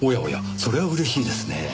それは嬉しいですねぇ。